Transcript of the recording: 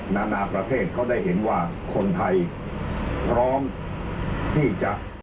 นานาประเทศเขาได้เห็นว่าคนไทยพร้อมที่จะ